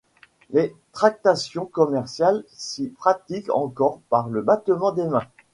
Les tractations commerciales s’y pratiquent encore par le battement des mains.